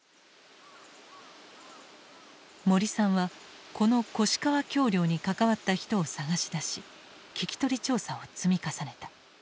森さんはこの越川橋梁に関わった人を捜し出し聞き取り調査を積み重ねた。